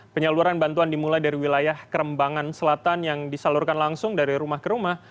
penyaluran bantuan dimulai dari wilayah kerembangan selatan yang disalurkan langsung dari rumah ke rumah